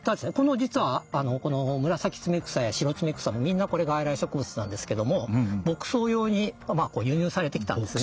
実はこのムラサキツメクサやシロツメクサもみんなこれ外来植物なんですけども牧草用に輸入されてきたんですね。